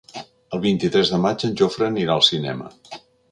El vint-i-tres de maig en Jofre anirà al cinema.